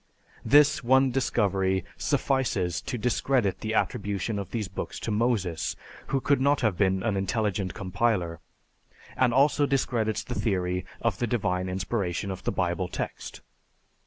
This one discovery suffices to discredit the attribution of these books to Moses, who could not have been an unintelligent compiler, and also discredits the theory of the divine inspiration of the Bible text.